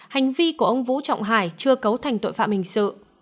hành vi của ông vũ trọng hải chưa cấu thành tội phạm hình sự